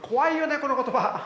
この言葉！